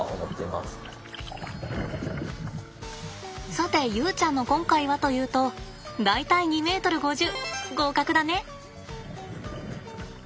さて遊ちゃんの今回はというと大体２ｍ５０合格だね。